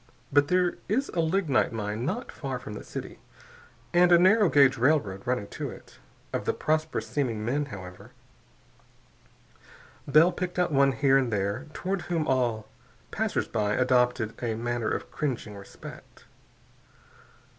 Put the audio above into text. But there is a lignite mine not far from the city, and a narrow gauge railroad running to it. Of the prosperous seeming men, however, Bell picked out one here and there toward whom all passersby adopted a manner of cringing respect.